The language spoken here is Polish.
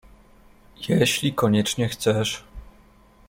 — Jeśli koniecznie chcesz.